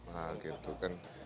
nah gitu kan